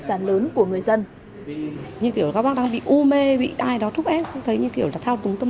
chứng của người dân như kiểu các bác đang bị u mê bị ai đó thúc ép thấy như kiểu là thao túng tâm